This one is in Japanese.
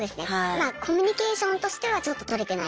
まあコミュニケーションとしてはちょっととれてない。